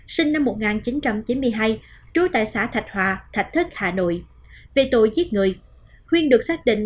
sinh năm một nghìn chín trăm chín mươi hai trú tại xã thạch hòa thạch thất hà nội về tội giết người huyên được xác định